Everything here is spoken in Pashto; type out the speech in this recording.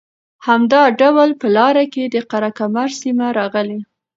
همدا ډول په لاره کې د قره کمر سیمه راغلې